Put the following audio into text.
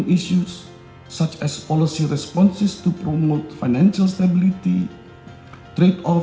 di mana masalah penting seperti respon polisi untuk mempromosikan stabilitas kebijakan ekonomi